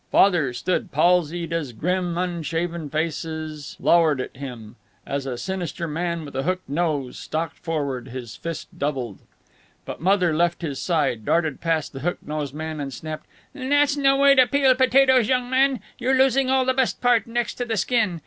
Father stood palsied as grim, unshaven faces lowered at him, as a sinister man with a hooked nose stalked forward, his fist doubled. But Mother left his side, darted past the hook nosed man, and snapped: "That's no way to peel potatoes, young man. You're losing all the best part, next to the skin.